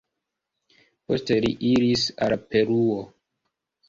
Poste li iris al Peruo.